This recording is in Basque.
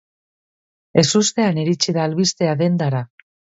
Ezustean iritsi da albistea dendara.